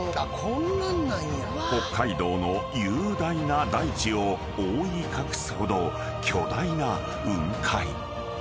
［北海道の雄大な大地を覆い隠すほど巨大な雲海］